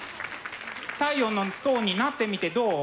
「太陽の塔」になってみてどう？